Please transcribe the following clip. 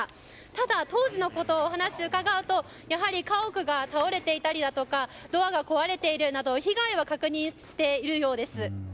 ただ、当時のことの話を伺うとやはり、家屋が倒れていたりとかドアが壊れているなど被害を確認しているようです。